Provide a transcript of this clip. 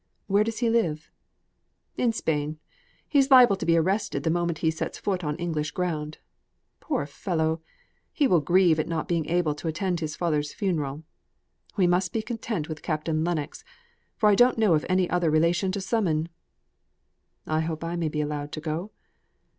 Where does he live?" "In Spain. He's liable to be arrested the moment he sets foot on English ground. Poor fellow! he will grieve at not being able to attend his father's funeral. We must be content with Captain Lennox; for I don't know of any other relation." "I hope I may be allowed to go?"